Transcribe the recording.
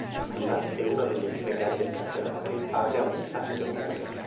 Durante una delle prime gare del campionato, il padre ha un infarto e muore.